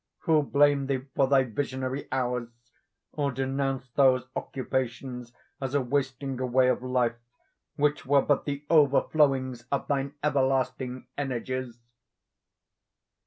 who blame thee for thy visionary hours, or denounce those occupations as a wasting away of life, which were but the overflowings of thine everlasting energies?